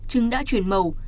trứng đã chuyển màu